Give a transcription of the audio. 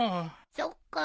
そっか。